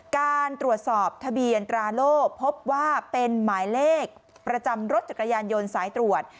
การตรวจสอบทะเบียนตราโล่พบว่าเป็นหมายเลขประจำรถจักรยานยนต์สายตรวจ